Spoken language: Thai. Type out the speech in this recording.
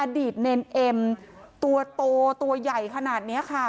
อดีตเนรเอ็มตัวโตตัวใหญ่ขนาดนี้ค่ะ